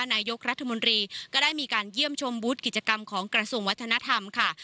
นายกรัฐมนตรีก็ได้มีการเยี่ยมชมบูธกิจกรรมของกระทรวงวัฒนธรรมค่ะ